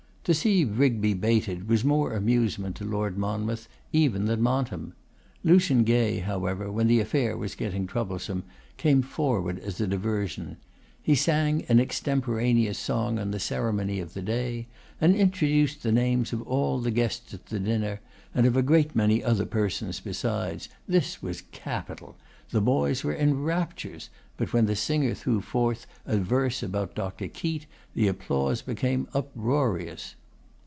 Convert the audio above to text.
To see Rigby baited was more amusement to Lord Monmouth even than Montem. Lucian Gay, however, when the affair was getting troublesome, came forward as a diversion. He sang an extemporaneous song on the ceremony of the day, and introduced the names of all the guests at the dinner, and of a great many other persons besides. This was capital! The boys were in raptures, but when the singer threw forth a verse about Dr. Keate, the applause became uproarious.